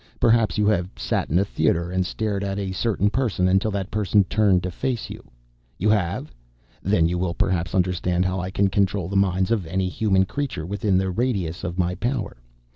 Perhaps you have sat in a theater and stared at a certain person until that person turned to face you. You have? Then you will perhaps understand how I can control the minds of any human creature within the radius of my power.